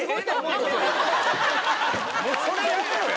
それやめろや！